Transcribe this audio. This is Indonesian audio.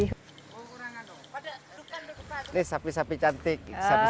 ini sapi sapi cantik